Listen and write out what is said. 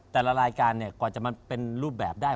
แต่ละรายการกว่าจะมาเป็นรูปแบบได้